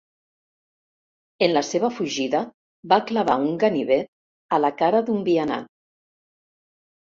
En la seva fugida va clavar un ganivet a la cara d'un vianant.